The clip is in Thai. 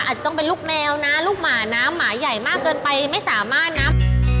อาจจะต้องเป็นลูกแมวนะลูกหมานะหมาใหญ่มากเกินไปไม่สามารถนับ